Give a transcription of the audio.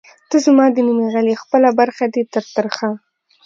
ته زما د نیمې غل ئې خپله برخه دی تر ترخه